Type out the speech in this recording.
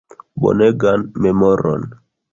Bonegan memoron.